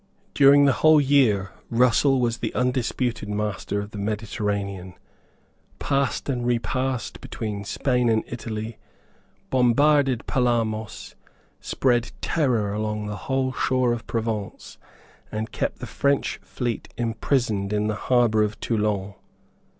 During the whole year Russell was the undisputed master of the Mediterranean, passed and repassed between Spain and Italy, bombarded Palamos, spread terror along the whole shore of Provence, and kept the French fleet imprisoned in the harbour of Toulon.